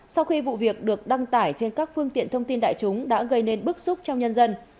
sau khi vụ việc được đăng tải trên các phương tiện thông tin đại chúng đã gây nên bức xúc trong nhân dân